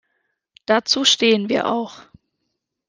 Dazu stehen wir auch.